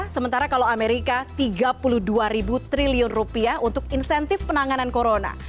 sementara kalau amerika rp tiga puluh dua triliun rupiah untuk insentif penanganan corona